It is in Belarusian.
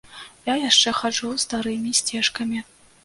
Я яшчэ хаджу старымі сцежкамі.